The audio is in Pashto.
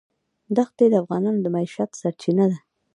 ښتې د افغانانو د معیشت سرچینه ده.